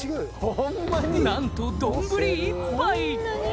なんと丼１杯！